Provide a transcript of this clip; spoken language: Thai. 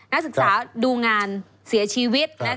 นักศึกษาดูงานเสียชีวิต